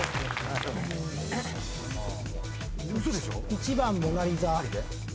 １番モナ・リザ。